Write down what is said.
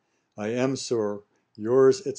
I am, Sir, 'Your's, &c.